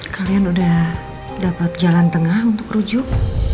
kalian udah dapat jalan tengah untuk rujuk